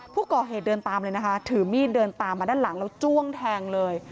ตัวเองเดินตามเลยนะคะถือมีดเดินตามมาด้านหลังแล้วจ้วงแทงเลย